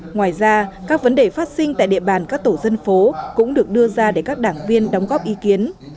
ngoài ra các vấn đề phát sinh tại địa bàn các tổ dân phố cũng được đưa ra để các đảng viên đóng góp ý kiến